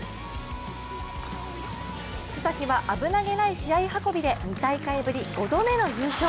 須崎は危なげない試合運びで２大会ぶり、５度目の優勝。